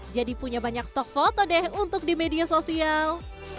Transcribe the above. jadi punya banyak stok foto deh untuk di media sosial